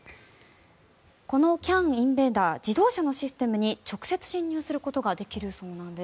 このＣＡＮインベーダー自動車のシステムに直接侵入することができるそうなんです。